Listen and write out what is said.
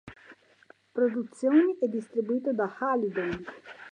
Produzioni e distribuito da Halidon.